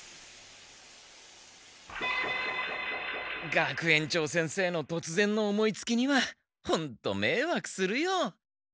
学園長先生のとつぜんの思いつきにはほんとめいわくするよ。